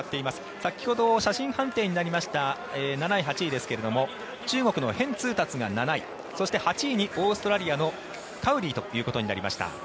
先ほど写真判定になりました７位、８位ですが中国のヘン・ツウタツが７位そして、８位にオーストラリアのカウリーということになりました。